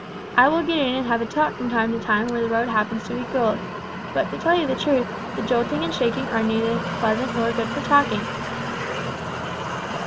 I will get in and have a talk from time to time where the road happens to be good; but, to tell you the truth, the jolting and shaking are neither pleasant nor good for talking."